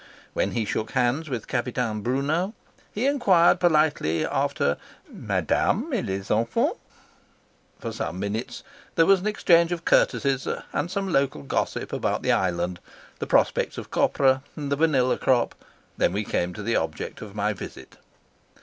When he shook hands with Capitaine Brunot he enquired politely after . For some minutes there was an exchange of courtesies and some local gossip about the island, the prospects of copra and the vanilla crop; then we came to the object of my visit.